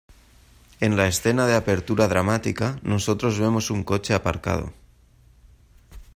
En la escena de apertura dramática, nosotros vemos un coche aparcado.